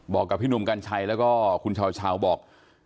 บอกกับพี่หนุ่มกัญชัยแล้วก็คุณเช้าบอก